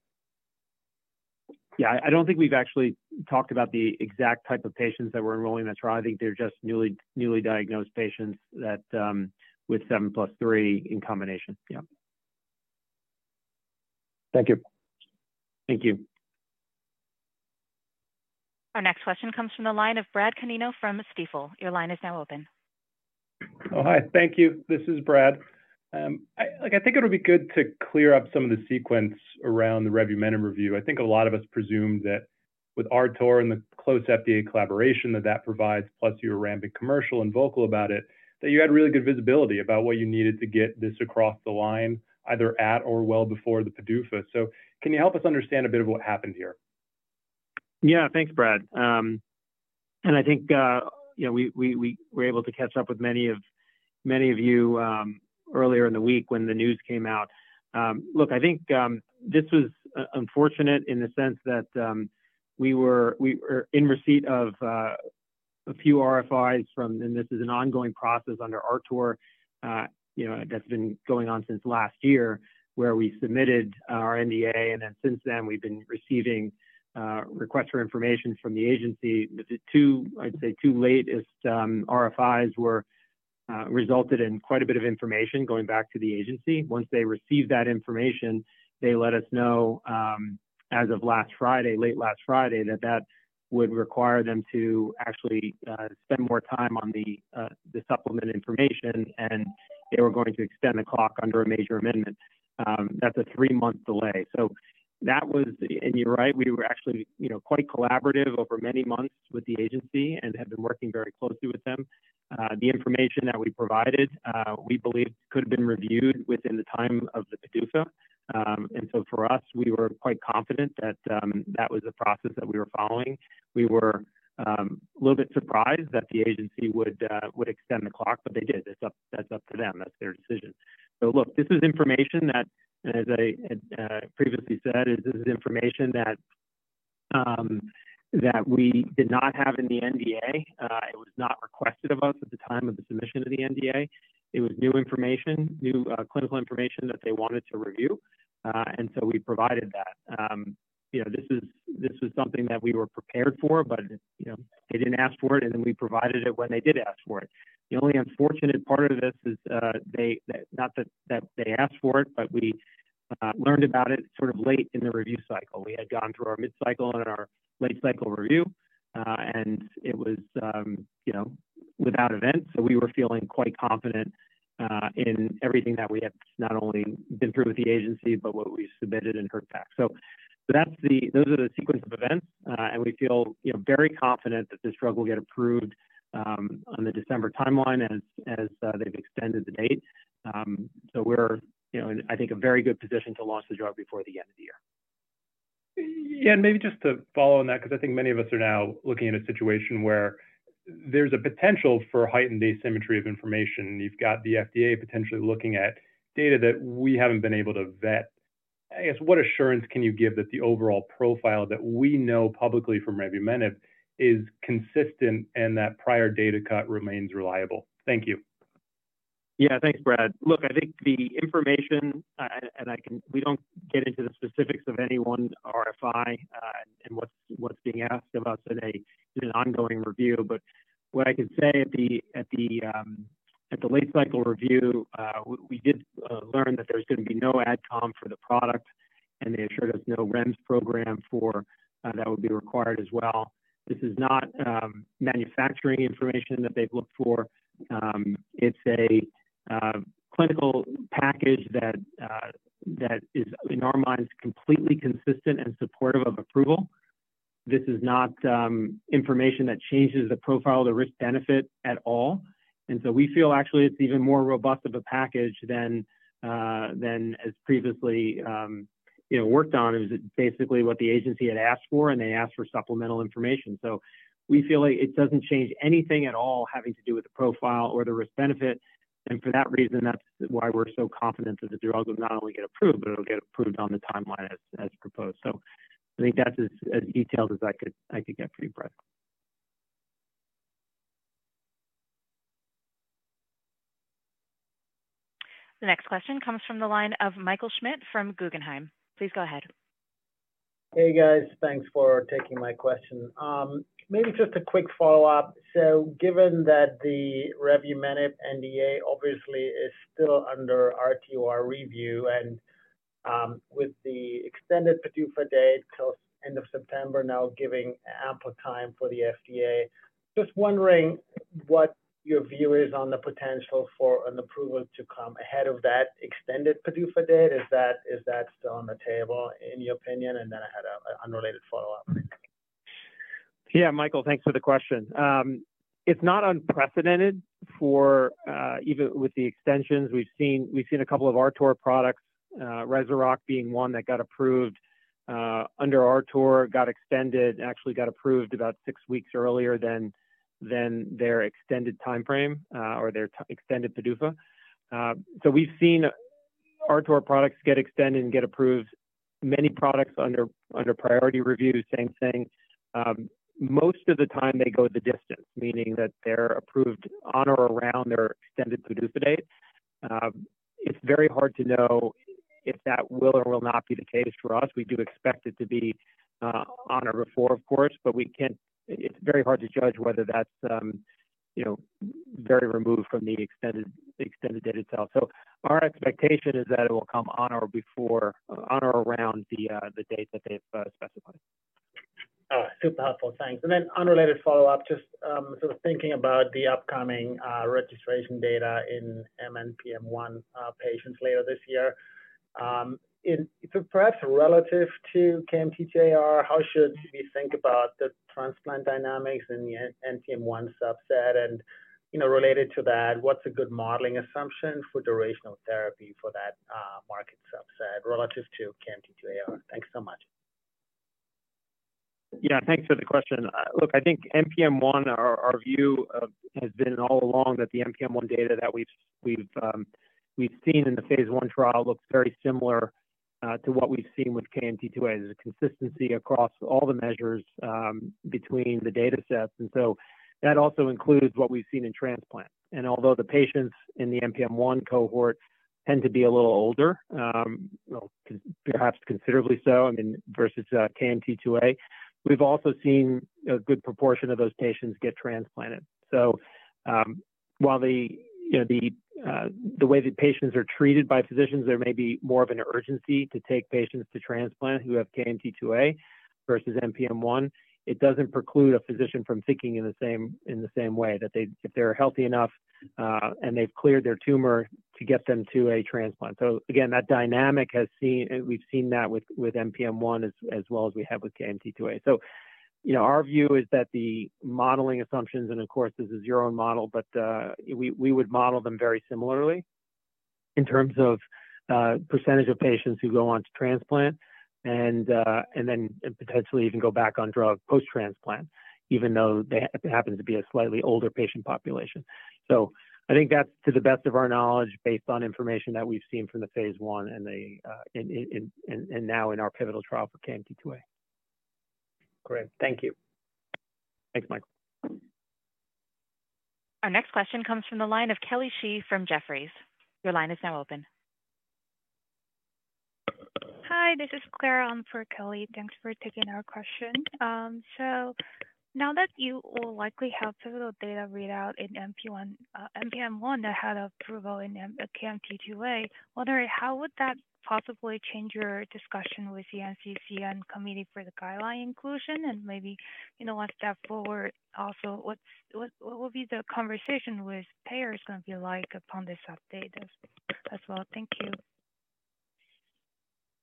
Yeah, I don't think we've actually talked about the exact type of patients that we're enrolling in the trial. I think they're just newly diagnosed patients that with 7 + 3 in combination. Yeah. Thank you. Thank you. Our next question comes from the line of Brad Canino from Stifel. Your line is now open. Oh, Hi. Thank you. This is Brad. Like, I think it would be good to clear up some of the sequence around the revumenib review. I think a lot of us presumed that with RTOR and the close FDA collaboration that that provides, plus you're rampant commercial and vocal about it, that you had really good visibility about what you needed to get this across the line, either at or well before the PDUFA. So can you help us understand a bit of what happened here? Yeah. Thanks, Brad. And I think, you know, we were able to catch up with many of you earlier in the week when the news came out. Look, I think, this was unfortunate in the sense that we were in receipt of a few RFIs from... And this is an ongoing process under RTOR, you know, that's been going on since last year, where we submitted our NDA, and then since then, we've been receiving request for information from the agency. The two, I'd say, two latest RFIs were resulted in quite a bit of information going back to the agency. Once they received that information, they let us know, as of last Friday, late last Friday, that that would require them to actually spend more time on the, the supplement information, and they were going to extend the clock under a major amendment. That's a three month delay. So that was... And you're right, we were actually, you know, quite collaborative over many months with the agency and had been working very closely with them. The information that we provided, we believe, could have been reviewed within the time of the PDUFA. And so for us, we were quite confident that that was the process that we were following. We were a little bit surprised that the agency would would extend the clock, but they did. That's up, that's up to them. That's their decision. So look, this is information that, as I had previously said, that we did not have in the NDA. It was not requested of us at the time of the submission of the NDA. It was new information, new clinical information that they wanted to review. And so we provided that. You know, this is, this was something that we were prepared for, but, you know, they didn't ask for it, and then we provided it when they did ask for it. The only unfortunate part of this is they, not that they asked for it, but we learned about it sort of late in the review cycle. We had gone through our mid cycle and our late cycle review, and it was, you know, without event. So we were feeling quite confident in everything that we had not only been through with the agency, but what we submitted in RTOR pack. So that's the, those are the sequence of events, and we feel, you know, very confident that this drug will get approved on the December timeline as they've extended the date. So we're, you know, in, I think, a very good position to launch the drug before the end of the year. Yeah, and maybe just to follow on that, because I think many of us are now looking at a situation where there's a potential for heightened asymmetry of information. You've got the FDA potentially looking at data that we haven't been able to vet. I guess, what assurance can you give that the overall profile that we know publicly from revumenib is consistent and that prior data cut remains reliable? Thank you. Yeah, thanks, Brad. Look, I think the information. We don't get into the specifics of any one RFI, and what's being asked of us in an ongoing review. But what I can say at the late cycle review, we did learn that there was going to be no AdCom for the product, and they assured us no REMS program for that would be required as well. This is not manufacturing information that they've looked for. It's a clinical package that is, in our minds, completely consistent and supportive of approval. This is not information that changes the profile of the risk-benefit at all. And so we feel actually it's even more robust of a package than as previously, you know, worked on. It was basically what the agency had asked for, and they asked for supplemental information. So we feel like it doesn't change anything at all having to do with the profile or the risk-benefit. And for that reason, that's why we're so confident that the drug will not only get approved, but it'll get approved on the timeline as proposed. So I think that's as detailed as I could get for you, Brad. The next question comes from the line of Michael Schmidt from Guggenheim. Please go ahead. Hey, guys. Thanks for taking my question. Maybe just a quick follow-up. So given that the revumenib NDA obviously is still under RTOR review, and with the extended PDUFA date till end of September, now giving ample time for the FDA, just wondering what your view is on the potential for an approval to come ahead of that extended PDUFA date. Is that still on the table, in your opinion? And then I had an unrelated follow-up. Yeah, Michael, thanks for the question. It's not unprecedented for even with the extensions. We've seen a couple of RTOR products, Rezurock being one that got approved under RTOR, got extended, and actually got approved about six weeks earlier than their extended timeframe or their extended PDUFA. So we've seen RTOR products get extended and get approved. Many products under priority review, same thing. Most of the time they go the distance, meaning that they're approved on or around their extended PDUFA date. It's very hard to know if that will or will not be the case for us. We do expect it to be on or before, of course, but we can't. It's very hard to judge whether that's you know, very removed from the extended date itself. So our expectation is that it will come on or before, on or around the date that they've specified. Oh, super helpful. Thanks. And then unrelated follow-up, just, sort of thinking about the upcoming registration data in NPM1 patients later this year. So perhaps relative to KMT2Ar, how should we think about the transplant dynamics in the NPM1 subset? And, you know, related to that, what's a good modeling assumption for durational therapy for that market subset relative to KMT2Ar? Thanks so much. Yeah, thanks for the question. Look, I think our view of NPM1 has been all along that the NPM1 data that we've seen in the phase l trial looks very similar to what we've seen with KMT2A. There's a consistency across all the measures between the datasets, and so that also includes what we've seen in transplant. And although the patients in the NPM1 cohort tend to be a little older, well, perhaps considerably so, I mean, versus KMT2A, we've also seen a good proportion of those patients get transplanted. So, while you know, the way the patients are treated by physicians, there may be more of an urgency to take patients to transplant who have KMT2A versus NPM1. It doesn't preclude a physician from thinking in the same way that they—if they're healthy enough and they've cleared their tumor to get them to a transplant. So again, that dynamic has seen, and we've seen that with NPM1 as well as we have with KMT2A. So, you know, our view is that the modeling assumptions, and of course, this is your own model, but we would model them very similarly in terms of percentage of patients who go on to transplant and then potentially even go back on drug post-transplant, even though they happen to be a slightly older patient population. So I think that's to the best of our knowledge, based on information that we've seen from the phase 1 and now in our pivotal trial for KMT2A. Great. Thank you. Thanks, Michael. ...Our next question comes from the line of Kelly Shi from Jefferies. Your line is now open. Hi, this is Claire on for Kelly. Thanks for taking our question. So now that you will likely have pivotal data readout in NPM1 ahead of approval in KMT2A, wondering how would that possibly change your discussion with the NCCN committee for the guideline inclusion and maybe, you know, one step forward? Also, what will be the conversation with payers going to be like upon this update as well? Thank you.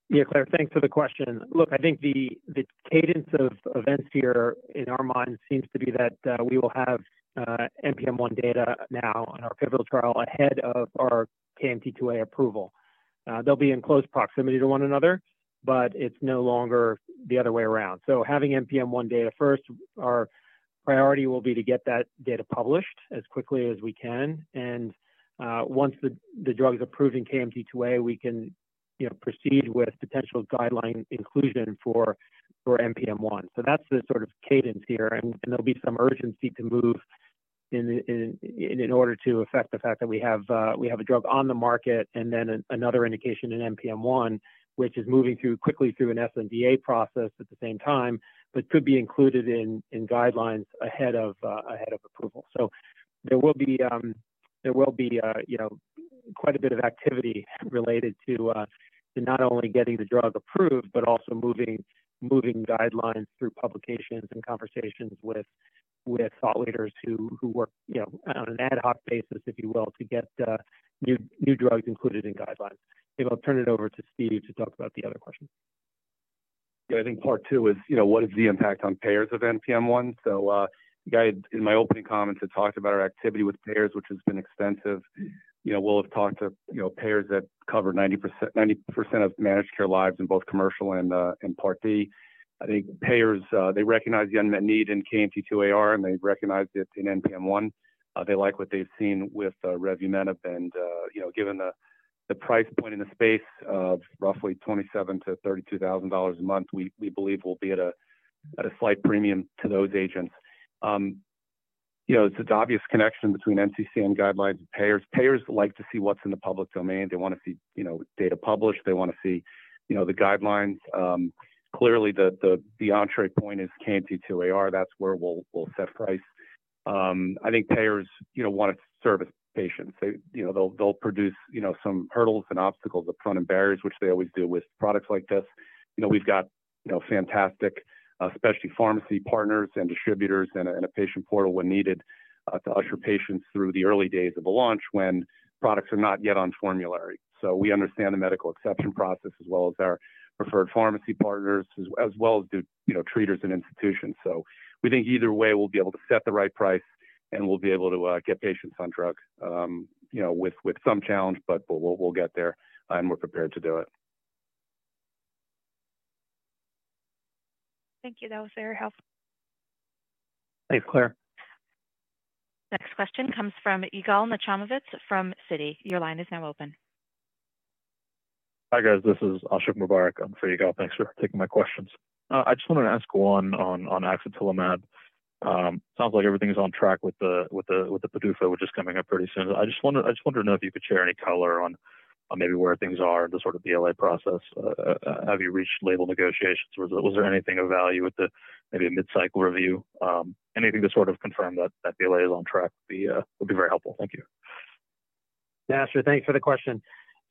Yeah, Claire, thanks for the question. Look, I think the cadence of events here in our mind seems to be that we will have NPM1 data now on our pivotal trial ahead of our KMT2A approval. They'll be in close proximity to one another, but it's no longer the other way around. So having NPM1 data first, our priority will be to get that data published as quickly as we can. And once the drug is approved in KMT2A, we can, you know, proceed with potential guideline inclusion for NPM1. So that's the sort of cadence here, and there'll be some urgency to move in order to affect the fact that we have a drug on the market and then another indication in NPM1, which is moving quickly through an sNDA process at the same time, but could be included in guidelines ahead of approval. So there will be you know, quite a bit of activity related to not only getting the drug approved but also moving guidelines through publications and conversations with thought leaders who work you know, on an ad hoc basis, if you will, to get new drugs included in guidelines. I'll turn it over to Steve to talk about the other question. Yeah, I think part two is, you know, what is the impact on payers of NPM1? So, you guys, in my opening comments, I talked about our activity with payers, which has been extensive. You know, we'll have talked to, you know, payers that cover 90%, 90% of managed care lives in both commercial and, and Part D. I think payers, they recognize the unmet need in KMT2Ar, and they recognize it in NPM1. They like what they've seen with revumenib, and, you know, given the, the price point in the space of roughly $27,000-$32,000 a month, we, we believe we'll be at a, at a slight premium to those agents. You know, there's an obvious connection between NCCN guidelines and payers. Payers like to see what's in the public domain. They want to see, you know, data published. They want to see, you know, the guidelines. Clearly, the entry point is KMT2Ar. That's where we'll set price. I think payers, you know, want to service patients. They, you know, they'll produce, you know, some hurdles and obstacles up front and barriers, which they always do with products like this. You know, we've got, you know, fantastic specialty pharmacy partners and distributors and a patient portal when needed to usher patients through the early days of a launch when products are not yet on formulary. So we understand the medical exception process, as well as our preferred pharmacy partners, as well as do, you know, treaters and institutions. We think either way, we'll be able to set the right price, and we'll be able to get patients on drug, you know, with some challenge, but we'll get there, and we're prepared to do it. Thank you. That was very helpful. Thanks, Claire. Next question comes from Yigal Nochomovitz from Citi. Your line is now open. Hi, guys, this is Ashiq Mubarack. I'm for Yigal. Thanks for taking my questions. I just wanted to ask one on axatilimab. Sounds like everything is on track with the PDUFA, which is coming up pretty soon. I just wanted to know if you could share any color on maybe where things are in the sort of BLA process. Have you reached label negotiations, or was there anything of value, maybe a mid cycle review? Anything to sort of confirm that BLA is on track would be very helpful. Thank you. Ashok, thanks for the question.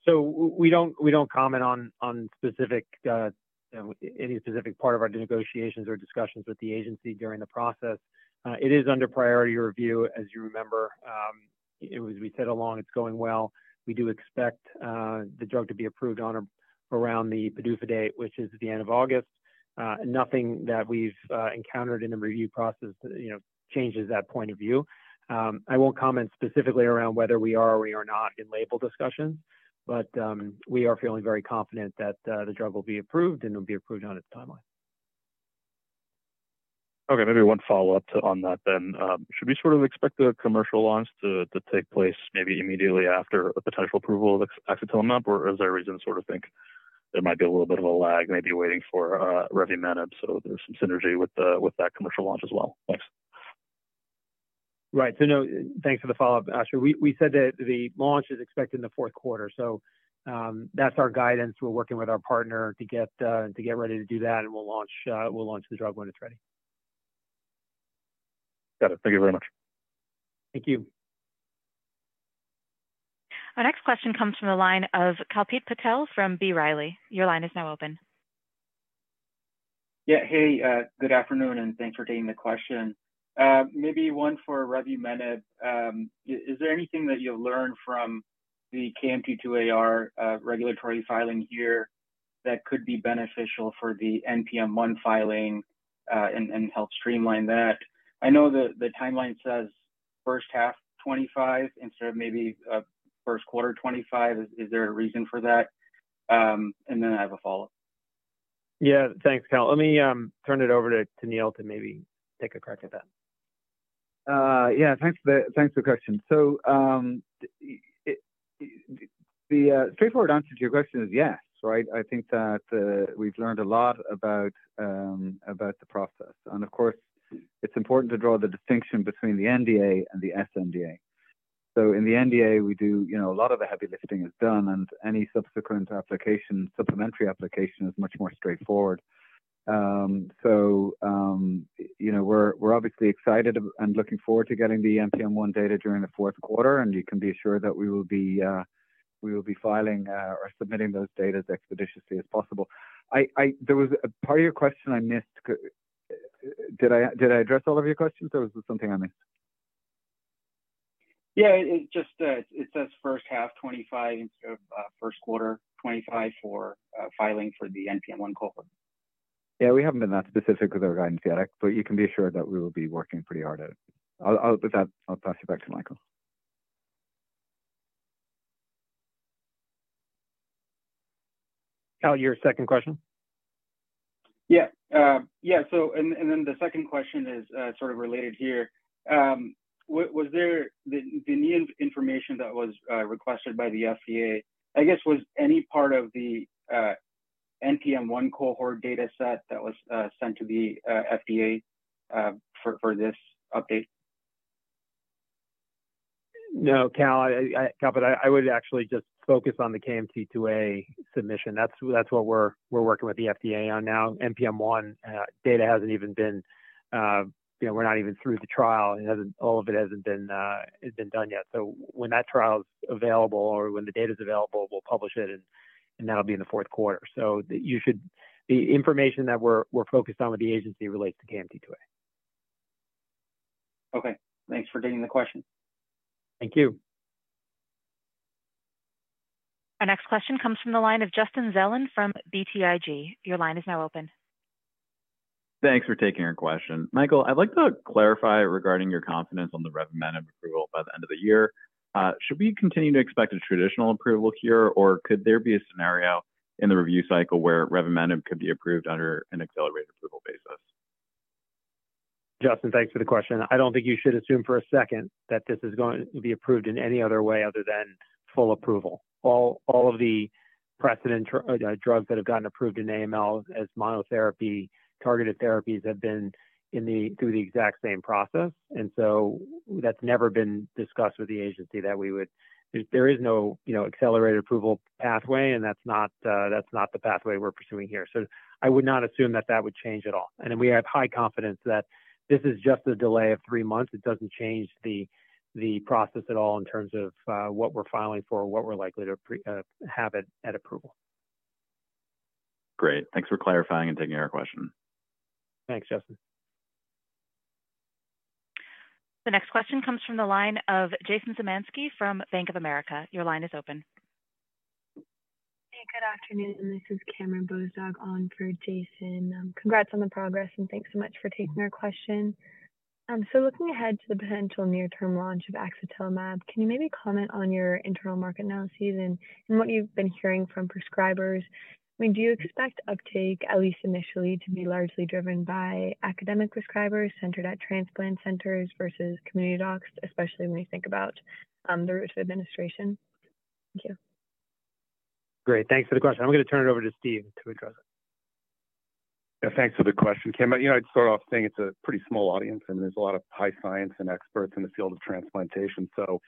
So we don't, we don't comment on, on specific, any specific part of our negotiations or discussions with the agency during the process. It is under priority review, as you remember. It was, we said along, it's going well. We do expect, the drug to be approved on or around the PDUFA date, which is the end of August. Nothing that we've encountered in the review process, you know, changes that point of view. I won't comment specifically around whether we are or we are not in label discussions, but, we are feeling very confident that, the drug will be approved and will be approved on its timeline. Okay, maybe one follow-up to, on that then. Should we sort of expect the commercial launch to take place maybe immediately after a potential approval of axatilimab, or is there a reason to sort of think there might be a little bit of a lag, maybe waiting for revumenib, so there's some synergy with the, with that commercial launch as well? Thanks. Right. So no, thanks for the follow-up, Ashok. We said that the launch is expected in the fourth quarter, so, that's our guidance. We're working with our partner to get ready to do that, and we'll launch the drug when it's ready. Got it. Thank you very much. Thank you. Our next question comes from the line of Kalpit Patel from B. Riley. Your line is now open. Yeah. Hey, good afternoon, and thanks for taking the question. Maybe one for revumenib. Is there anything that you've learned from the KMT2Ar regulatory filing there that could be beneficial for the NPM1 filing, and help streamline that? I know the timeline says first half 2025 instead of maybe first quarter 2025. Is there a reason for that? And then I have a follow-up. Yeah. Thanks, Kal. Let me turn it over to Neil to maybe take a crack at that. Yeah, thanks for the, thanks for the question. So, the straightforward answer to your question is yes, right? I think that we've learned a lot about about the process. And of course, it's important to draw the distinction between the NDA and the sNDA. So in the NDA, we do, you know, a lot of the heavy lifting is done, and any subsequent application, supplementary application, is much more straightforward. So, you know, we're obviously excited and looking forward to getting the NPM1 data during the fourth quarter, and you can be assured that we will be filing or submitting those data as expeditiously as possible. There was a part of your question I missed. Did I address all of your questions, or was there something I missed? Yeah, it just says first half 25 instead of first quarter 25 for filing for the NPM1 cohort. Yeah, we haven't been that specific with our guidance yet, but you can be assured that we will be working pretty hard at it. With that, I'll pass you back to Michael. Kal, your second question? Yeah, yeah, so and then the second question is sort of related here. Was there the new information that was requested by the FDA, I guess, was any part of the NPM1 cohort data set that was sent to the FDA for this update? No, Kal, but I would actually just focus on the KMT2A submission. That's what we're working with the FDA on now. NPM1 data hasn't even been... You know, we're not even through the trial. It hasn't, all of it hasn't been done yet. So when that trial's available or when the data's available, we'll publish it, and that'll be in the fourth quarter. So you should, the information that we're focused on with the agency relates to KMT2A. Okay, thanks for taking the question. Thank you. Our next question comes from the line of Justin Zelin from BTIG. Your line is now open. Thanks for taking our question. Michael, I'd like to clarify regarding your confidence on the revumenib approval by the end of the year. Should we continue to expect a traditional approval here, or could there be a scenario in the review cycle where revumenib could be approved under an accelerated approval basis? Justin, thanks for the question. I don't think you should assume for a second that this is going to be approved in any other way other than full approval. All, all of the precedent drugs that have gotten approved in AML as monotherapy, targeted therapies have been through the exact same process. And so that's never been discussed with the agency that we would... There, there is no, you know, accelerated approval pathway, and that's not, that's not the pathway we're pursuing here. So I would not assume that that would change at all. And then we have high confidence that this is just a delay of three months. It doesn't change the process at all in terms of, what we're filing for, what we're likely to have at approval. Great, thanks for clarifying and taking our question. Thanks, Justin. The next question comes from the line of Jason Zemansky from Bank of America. Your line is open. Hey, good afternoon, and this is Cameron Bozdog on for Jason. Congrats on the progress, and thanks so much for taking our question. So looking ahead to the potential near-term launch of axatilimab, can you maybe comment on your internal market analyses and what you've been hearing from prescribers? I mean, do you expect uptake, at least initially, to be largely driven by academic prescribers centered at transplant centers versus community docs, especially when you think about the route of administration? Thank you. Great, thanks for the question. I'm gonna turn it over to Steve to address it. Yeah, thanks for the question, Cameron. You know, I'd start off saying it's a pretty small audience, and there's a lot of high science and experts in the field of transplantation. So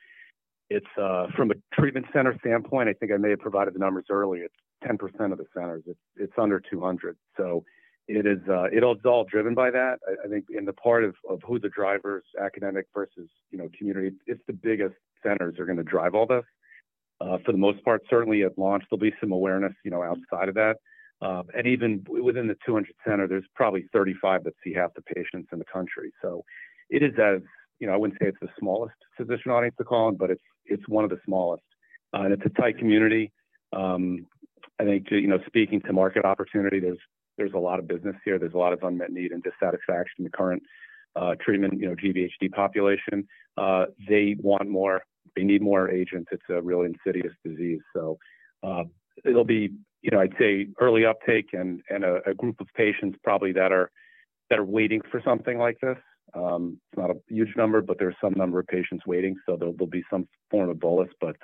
it's from a treatment center standpoint, I think I may have provided the numbers early. It's 10% of the centers. It's under 200, so it is all driven by that. I think in the part of who the drivers, academic versus, you know, community, it's the biggest centers are gonna drive all this. For the most part, certainly at launch, there'll be some awareness, you know, outside of that. And even within the 200 centers, there's probably 35 that see half the patients in the country. So it is a, you know, I wouldn't say it's the smallest physician audience to call on, but it's, it's one of the smallest, and it's a tight community. I think to, you know, speaking to market opportunity, there's, there's a lot of business here. There's a lot of unmet need and dissatisfaction in the current, treatment, you know, GVHD population. They want more. They need more agents. It's a really insidious disease. So, it'll be, you know, I'd say, early uptake and, and a, a group of patients probably that are, that are waiting for something like this. It's not a huge number, but there are some number of patients waiting, so there, there'll be some form of bolus, but,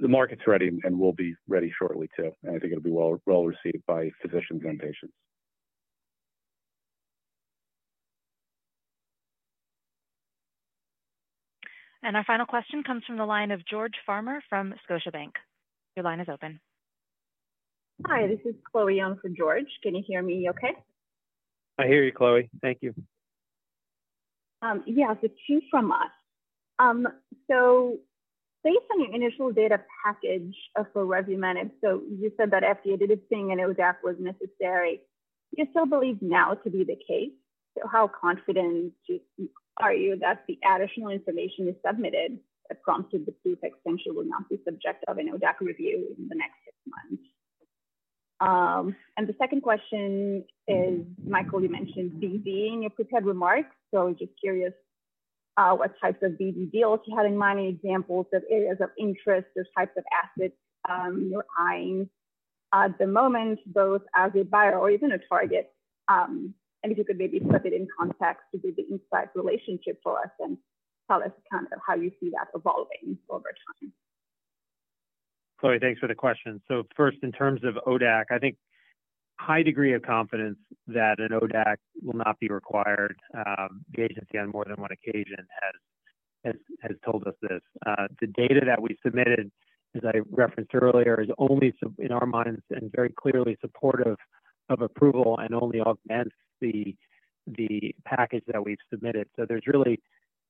the market's ready and will be ready shortly too, and I think it'll be well, well received by physicians and patients. Our final question comes from the line of George Farmer from Scotiabank. Your line is open. Hi, this is Chloe Young for George. Can you hear me okay? I hear you, Chloe. Thank you. Yeah, so two from us. So based on your initial data package for revumenib, so you said that FDA did its thing and ODAC was necessary. Do you still believe now to be the case? So how confident are you that the additional information you submitted that prompted the PDUFA extension will not be subject of an ODAC review in the next six months? And the second question is, Michael, you mentioned BD in your prepared remarks, so just curious, what types of BB deals you have in mind, any examples of areas of interest or types of assets you're eyeing at the moment, both as a buyer or even a target? And if you could maybe put it in context to the Incyte relationship for us and tell us kind of how you see that evolving over time. Chloe, thanks for the question. So first, in terms of ODAC, I think high degree of confidence that an ODAC will not be required. The agency, on more than one occasion, has told us this. The data that we submitted, as I referenced earlier, is only so in our minds, and very clearly supportive of approval and only augments the package that we've submitted. So there's really,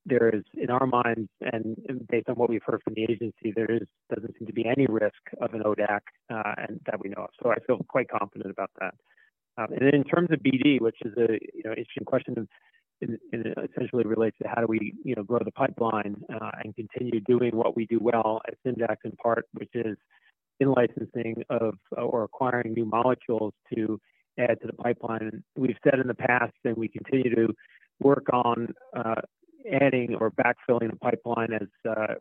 in our minds, and based on what we've heard from the agency, there doesn't seem to be any risk of an ODAC, and that we know of. So I feel quite confident about that. And in terms of BD, which is a, you know, interesting question, and, and essentially relates to how do we, you know, grow the pipeline, and continue doing what we do well at Syndax, in part, which is in-licensing of, or acquiring new molecules to add to the pipeline. We've said in the past that we continue to work on, adding or backfilling the pipeline as,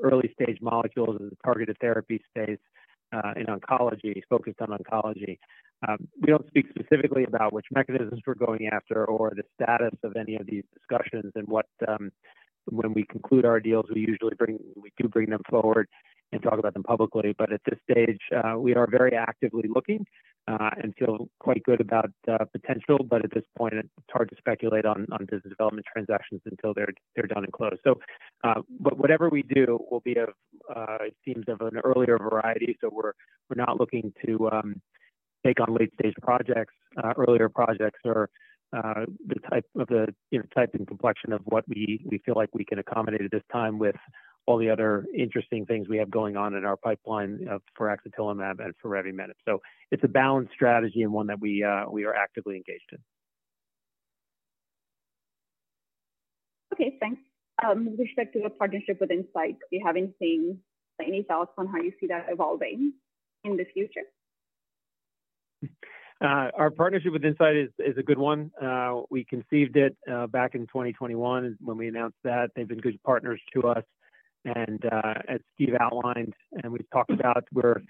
early-stage molecules in the targeted therapy space, uh, in oncology, focused on oncology. We don't speak specifically about which mechanisms we're going after or the status of any of these discussions. When we conclude our deals, we usually bring, we do bring them forward and talk about them publicly. But at this stage, we are very actively looking, and feel quite good about the potential, but at this point, it's hard to speculate on business development transactions until they're done and closed. So, but whatever we do will be of, it seems of an earlier variety, so we're not looking to take on late-stage projects. Earlier projects are the type of the, you know, type and complexion of what we feel like we can accommodate at this time with all the other interesting things we have going on in our pipeline, for axatilimab and for revumenib. So it's a balanced strategy and one that we are actively engaged in. Okay, thanks. With respect to the partnership with Incyte, do you have anything, any thoughts on how you see that evolving in the future? Our partnership with Incyte is a good one. We conceived it back in 2021. When we announced that, they've been good partners to us and, as Steve outlined, and we've talked about, we're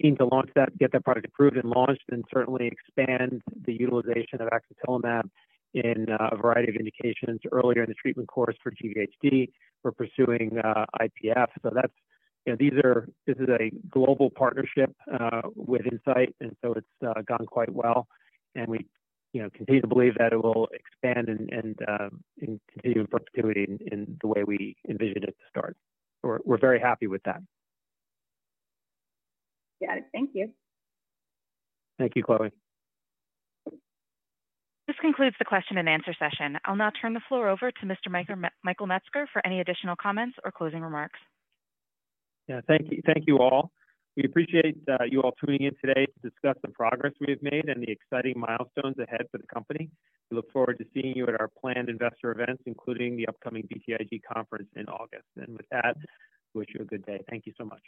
keen to launch that, get that product approved and launched, and certainly expand the utilization of axatilimab in a variety of indications earlier in the treatment course for GVHD. We're pursuing IPF. So that's, you know, these are, this is a global partnership with Incyte, and so it's gone quite well and we, you know, continue to believe that it will expand and continue to profitability in the way we envisioned it to start. We're very happy with that. Got it. Thank you. Thank you, Chloe. This concludes the question and answer session. I'll now turn the floor over to Mr. Michael Metzger for any additional comments or closing remarks. Yeah. Thank you, thank you, all. We appreciate you all tuning in today to discuss the progress we've made and the exciting milestones ahead for the company. We look forward to seeing you at our planned investor events, including the upcoming BTIG conference in August. And with that, wish you a good day. Thank you so much.